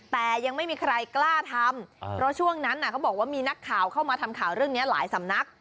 แต่ยังไม่มีใครกล้าทำเพราะช่วงนั้นเขาบอกว่ามีนักข่าวเข้ามาทำข่าวเรื่องนี้หลายสำนัก